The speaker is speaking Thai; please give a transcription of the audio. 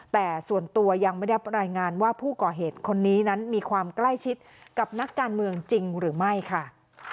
แต่ส่วนตัวยังไม่ได้รับรายงานว่าผู้ก่อเหตุคนนี้นั้นมีความใกล้ชิดกับนักการเมืองจริงหรือไม่ค่ะ